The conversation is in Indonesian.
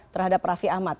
terhadap rafi ahmad